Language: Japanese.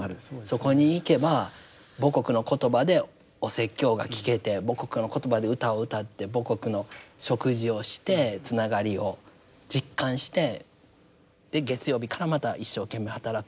そこに行けば母国の言葉でお説教が聞けて母国の言葉で歌を歌って母国の食事をしてつながりを実感してで月曜日からまた一生懸命働くっていう。